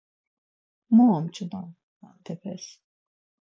Mu omç̌unan antepes?